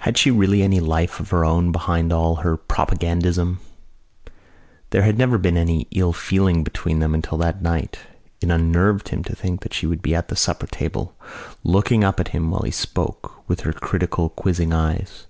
Had she really any life of her own behind all her propagandism? There had never been any ill feeling between them until that night. It unnerved him to think that she would be at the supper table, looking up at him while he spoke with her critical quizzing eyes.